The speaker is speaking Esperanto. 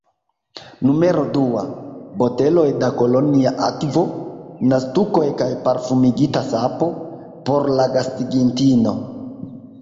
Numero dua: Boteloj da kolonja akvo, naztukoj kaj parfumigita sapo; por la gastigintino.